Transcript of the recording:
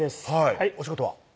はいお仕事は？